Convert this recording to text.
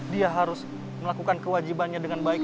dia harus melakukan kewajibannya dengan baik